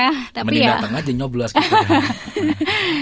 mending datang aja nyoblo asal